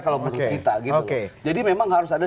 kalau menurut kita gitu jadi memang harus ada